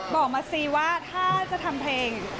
บอกมาสิว่าถ้าจะทำเพลง